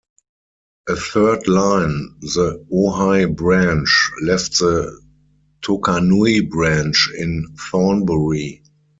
A third line, the Ohai Branch, left the Tokanui Branch in Thornbury.